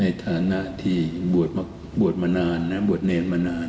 ในฐานะที่บวชมานานและบวชเนรมานาน